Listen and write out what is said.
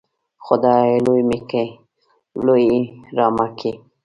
خدايه! لوى مې کې ، لويي رامه کې.